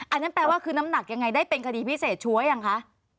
อันนั้นแปลว่าคือน้ำหนักยังไงได้เป็นคดีพิเศษชัวร์ยังคะ